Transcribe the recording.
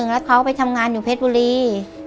แล้วเขาไปทำงานอยู่เพชรบุรี